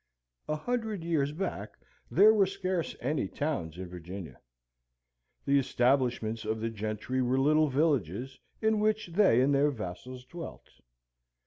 A hundred years back there were scarce any towns in Virginia; the establishments of the gentry were little villages in which they and their vassals dwelt.